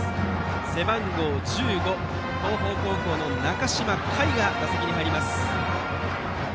背番号１５、東邦高校の中島快が打席に入ります。